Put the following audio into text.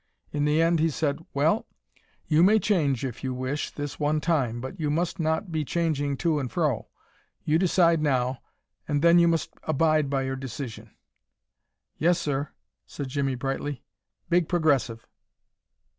In the end he said: "Well, you may change if you wish, this one time, but you must not be changing to and fro. You decide now, and then you must abide by your decision." "Yessir," said Jimmie, brightly. "Big Progressive."